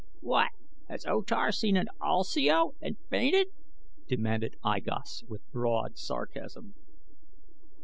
"What has O Tar seen an ulsio and fainted?" demanded I Gos with broad sarcasm.